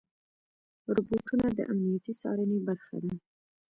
روبوټونه د امنیتي څارنې برخه دي.